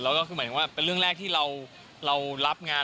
แล้วก็คือหมายถึงว่าเป็นเรื่องแรกที่เรารับงาน